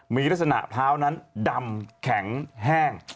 มีลักษณะพร้าวนั้นดำแข็งแห้ง